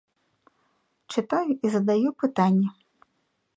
Чытаю і задаю пытанні.